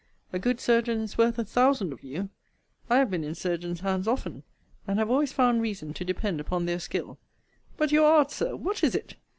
A good surgeon is worth a thousand of you. I have been in surgeons' hands often, and have always found reason to depend upon their skill; but your art, Sir, what is it?